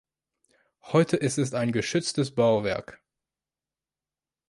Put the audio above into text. Heute ist es ein geschütztes Bauwerk.